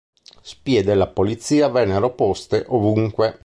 Spie della polizia vennero poste ovunque.